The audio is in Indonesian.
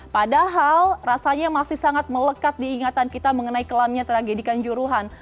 padahal rasanya masih sangat melekat diingatan kita mengenai kelamnya tragedikan juruhan